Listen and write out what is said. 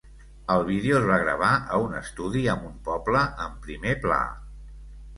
El vídeo es va gravar a un estudi amb un poble en primer pla.